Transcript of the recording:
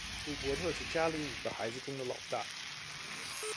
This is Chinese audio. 鲁伯特是家里五个孩子中的老大。